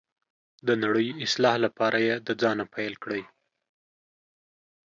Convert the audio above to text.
د نړۍ اصلاح لپاره یې د ځانه پیل کړئ.